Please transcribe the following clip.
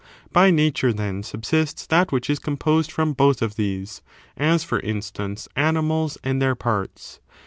By Nature, then, subsists that which is composed from both of these, as, for ; instance, animals and their parts.